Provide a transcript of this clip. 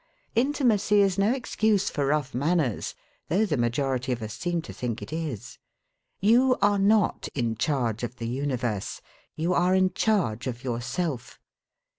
Intimacy is no excuse for rough manners, though the majority of us seem to think it is. You are not in charge of the universe; you are in charge of yourself.